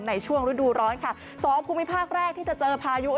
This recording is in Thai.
ในช่วงฤดูร้อนค่ะสองภูมิภาคแรกที่จะเจอพายุ